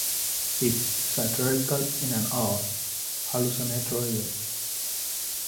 It's satirical in an odd, hallucinatory way.